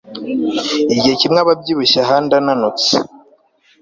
igihe kimwe aba abyibushye ahandi ananutse